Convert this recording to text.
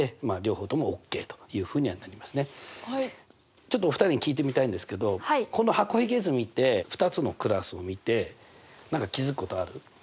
ちょっとお二人に聞いてみたいんですけどこの箱ひげ図見て２つのクラスを見て何か気付くことある？